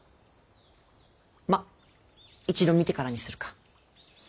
まぁ一度見てからにするか。